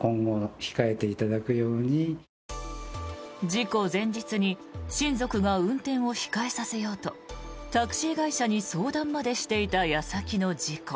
事故前日に親族が運転を控えさせようとタクシー会社に相談までしていた矢先の事故。